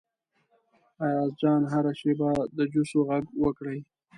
ایاز جان هره شیبه د جوسو غږ وکړي.